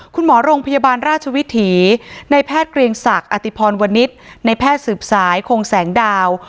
คุณหมอโรงพยาบาลราชวิถีในแพทย์เกรียงศักดิ์อติพรวนิษฐ์ในแพทย์สืบสายคงแสงดาว